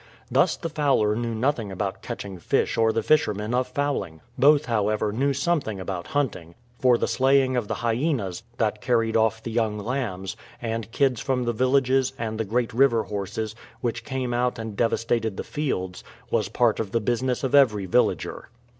Thus the fowler knew nothing about catching fish or the fishermen of fowling. Both, however, knew something about hunting; for the slaying of the hyenas, that carried off the young lambs, and kids from the villages, and the great river horses, which came out and devastated the fields, was a part of the business of every villager.